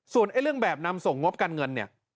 ส่วนเรื่องแบบนำส่งงบการเงินเนี่ย